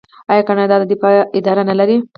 هر چا ته چې ښه کوم،